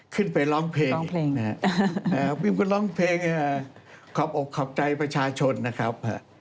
ขึ้นไปร้องเพลงขอบอกขอบใจประชาชนนะครับ